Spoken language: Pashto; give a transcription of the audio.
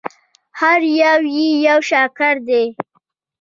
هر یو یې یو شاهکار دی.